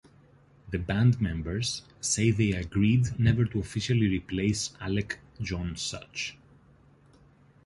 The band members say they agreed never to officially replace Alec John Such.